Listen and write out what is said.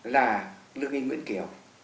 là lương ý nguyễn kiều